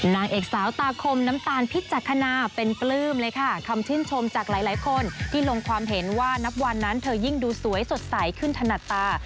นางเอกสาวตาคมน้ำตาลพิจักษณาเป็นปลื้มเลยค่ะคำชื่นชมจากหลายหลายคนที่ลงความเห็นว่านับวันนั้นเธอยิ่งดูสวยสดใสขึ้นถนัดตา